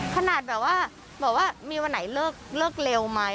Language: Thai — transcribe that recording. ขนาดแบบว่าบอกว่ามีวันไหนเลิกเร็วไหม